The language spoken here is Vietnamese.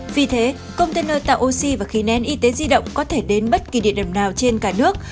vì thế container tạo oxy và khí nén y tế di động có thể đến bất kỳ địa điểm nào trên cả nước